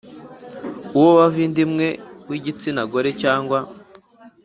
Uwo bava inda imwe w igitsina gore cyangwa